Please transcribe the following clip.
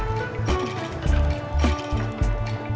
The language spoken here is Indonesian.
sukantama anak belum dateng